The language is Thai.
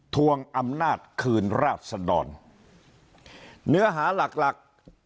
ทวงอำนาจคืนราชสะดอนเนื้อหาหลัก